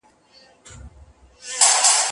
پر یوه بیرغ به ټول سي اولسونه